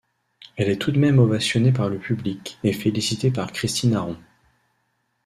Elle est tout de même ovationnée par le public et félicitée par Christine Arron.